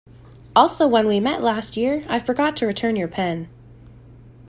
Also when we met last year, I forgot to return your pen.